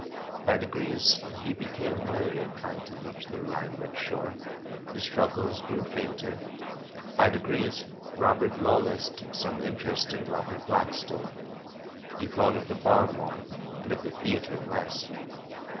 By degrees he became weary of trying to reach the limelit shore, his struggles grew fainter; by degrees "Robert Law less" took some interest in Robert Blackstone. He thought of the Bar more, and of the Theatre less.